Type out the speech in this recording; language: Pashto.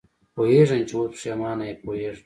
پوهېږم چې اوس پېښېمانه یې، پوهېږم.